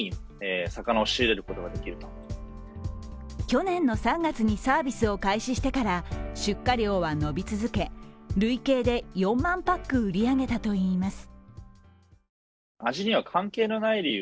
去年の３月にサービスを開始してから出荷量は伸び続け累計で４万パック売り上げたといいます。